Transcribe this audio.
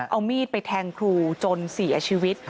เอามีดไปแทงครูจนเสียชีวิต